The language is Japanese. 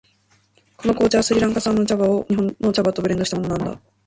この紅茶はスリランカ産の茶葉を日本の茶葉とブレンドしたものなんだ。